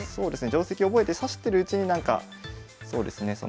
定跡覚えて指してるうちになんかそうですね